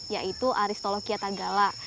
yaitu aristolochia tagala